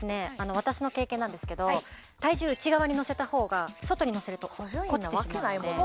私の経験なんですけど体重内側に乗せた方が外に乗せると落っこちてしまうので。